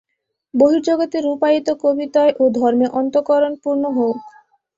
বহির্জগতে রূপায়িত কবিতায় ও ধর্মে অন্তঃকরণ পূর্ণ হউক।